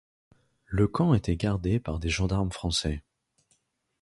Le camp était gardé par des gendarmes français.